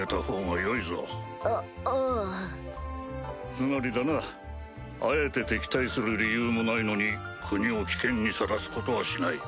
つまりだなあえて敵対する理由もないのに国を危険にさらすことはしない。